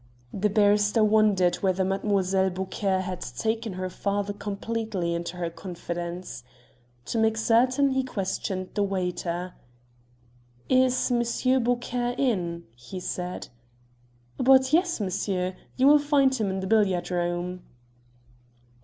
The barrister wondered whether Mlle. Beaucaire had taken her father completely into her confidence. To make certain he questioned the waiter. "Is Monsieur Beaucaire in?" he said. "But yes, monsieur. You will find him in the billiard room."